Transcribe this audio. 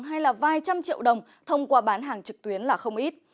hay là vài trăm triệu đồng thông qua bán hàng trực tuyến là không ít